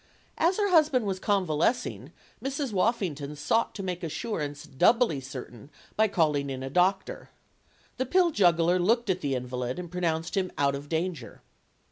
As her husband was convalescing, Mrs. Woffington sought to make assurance doubly certain by calling in a doctor. The pill juggler looked at the invalid and pronounced him out of danger.